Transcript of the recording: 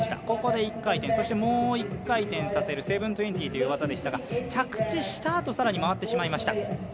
ここで１回転そして、もう１回転させる７２０という技でしたが、着地したあと更に回ってしまいました。